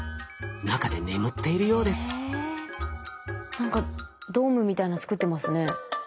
何かドームみたいの作ってますね。